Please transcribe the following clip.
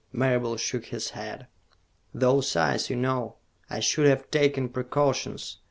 Marable shook his head. "Those eyes, you know. I should have taken precautions.